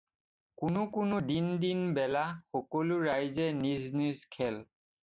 কোনাে কোনাে দিন দিন বেলা সকলাে ৰাইজে নিজ নিজ খেল